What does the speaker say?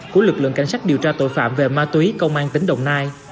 của lực lượng cảnh sát điều tra tội phạm về ma túy công an tỉnh đồng nai